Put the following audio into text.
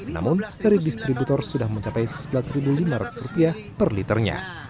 namun dari distributor sudah mencapai sebelas lima ratus rupiah per liternya